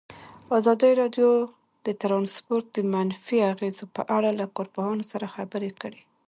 ازادي راډیو د ترانسپورټ د منفي اغېزو په اړه له کارپوهانو سره خبرې کړي.